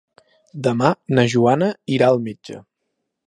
Demà na Joana irà al metge.